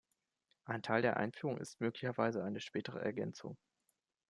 Ein Teil der Einführung ist möglicherweise eine spätere Ergänzung.